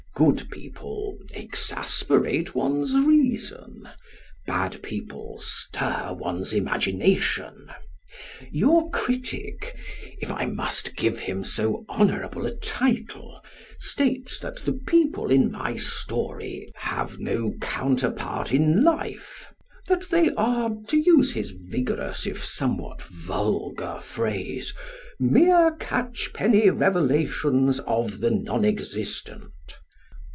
Good people exasperate one's reason; bad people stir one's imagination. Your critic, if I must give him so honourable a title, states that the people in any story have no counterpart in life; that they are, to use his vigorous if somewhat vulgar phrase, "mere catchpenny revelations of the non existent."